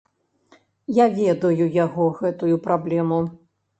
Я ведаю яго гэтую праблему.